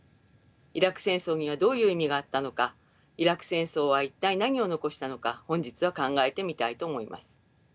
イラク戦争にはどういう意味があったのかイラク戦争は一体何を残したのか本日は考えてみたいと思います。